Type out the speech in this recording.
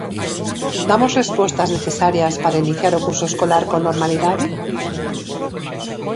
¿Damos respostas necesarias para iniciar o curso escolar con normalidade?